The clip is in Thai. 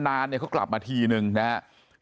นานเขากลับมาทีนึงนะครับ